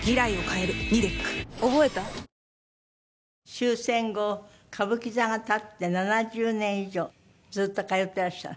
終戦後歌舞伎座が建って７０年以上ずっと通っていらっしゃる。